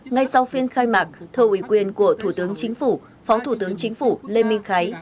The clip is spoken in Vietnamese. ngay sau phiên khai mạc thờ ủy quyền của thủ tướng chính phủ phó thủ tướng chính phủ lê minh khái